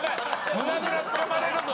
胸倉つかまれるぞ！